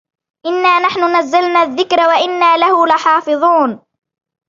إِنَّا نَحْنُ نَزَّلْنَا الذِّكْرَ وَإِنَّا لَهُ لَحَافِظُونَ